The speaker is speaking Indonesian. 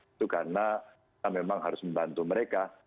itu karena kita memang harus membantu mereka